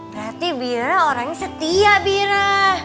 berarti bira orangnya setia bira